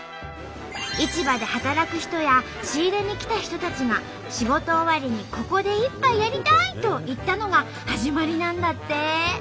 市場で働く人や仕入れに来た人たちが「仕事終わりにここで一杯やりたい！」と言ったのが始まりなんだって！